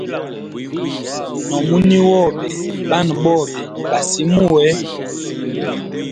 No muniya wobe bana bobe ba simuwe.